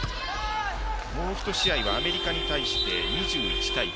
もう１試合はアメリカに対して２１対９。